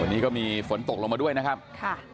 วันนี้ก็มีฝนตกลงมาด้วยนะครับค่ะ